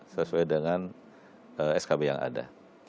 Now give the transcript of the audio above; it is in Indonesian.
sesuai dengan skb yang ada